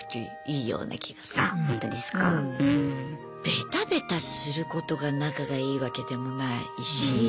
ベタベタすることが仲がいいわけでもないし。